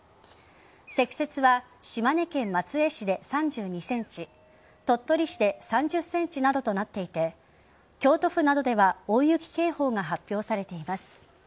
積雪は島根県松江市で３２ｃｍ鳥取市で３０ｃｍなどとなっていて京都府などでは大雪警報が発表されています。